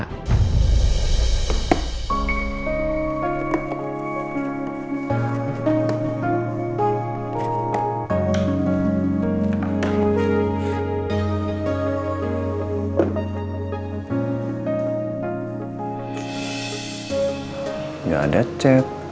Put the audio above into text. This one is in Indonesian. tidak ada chat